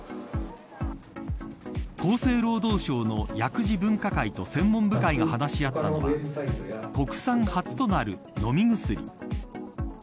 厚生労働省の薬事分科会と専門部会が話し合ったのは国産初となる飲み薬。